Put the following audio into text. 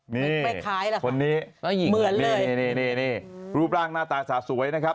นี่คนนี้เหมือนเลยรูปร่างหน้าตาสาวสวยนะครับ